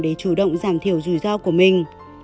để chủ động giảm thiểu rủi ro của mình